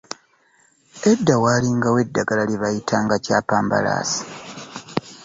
Edda waalingawo eddagala lye bali bayita chapambalaasi.